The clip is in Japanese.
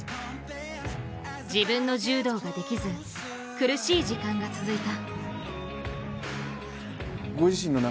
自分の柔道ができず、苦しい時間が続いた。